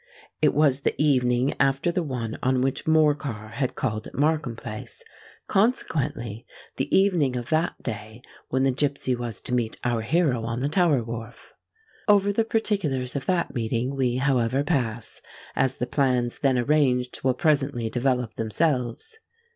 It was the evening after the one on which Morcar had called at Markham Place; consequently the evening of that day when the gipsy was to meet our hero on the Tower wharf. Over the particulars of that meeting we, however, pass; as the plans then arranged will presently develop themselves.